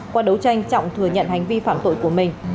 qua đấu tranh trọng thừa nhận hành vi phạm tội của mình